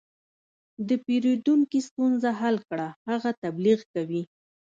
د پیرودونکي ستونزه حل کړه، هغه تبلیغ کوي.